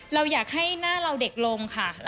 เราอยากให้หน้าเราเด็กลงค่ะ